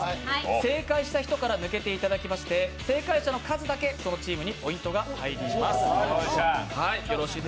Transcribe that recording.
正解した人から抜けていただいて正解者の数だけそのチームにポイントが入ります。